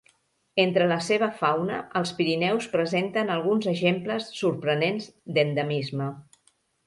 Entre la seva fauna, els Pirineus presenten alguns exemples sorprenents d'endemisme.